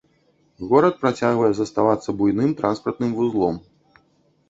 Горад працягвае заставацца буйным транспартным вузлом.